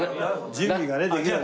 準備がねできない。